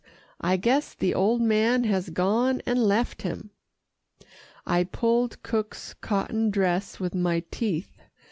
I guess the old man has gone and left him." I pulled cook's cotton dress with my teeth.